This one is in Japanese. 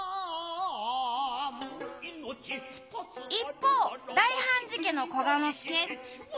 一方大判事家の久我之助。